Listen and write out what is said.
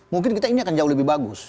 mungkin kita ini akan jauh lebih bagus